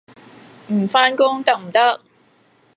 唔返工得唔得？